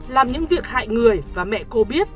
làm những việc hại người và mẹ cô biết